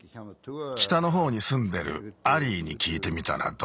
きたのほうにすんでるアリーにきいてみたらどうだ？